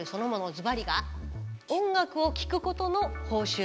ズバリが「音楽を聴くことの報酬」。